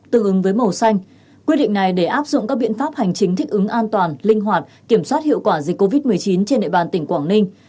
tương ứng với màu xanh quyết định này để áp dụng các biện pháp hành chính thích ứng an toàn linh hoạt kiểm soát hiệu quả dịch covid một mươi chín trên địa bàn tỉnh quảng ninh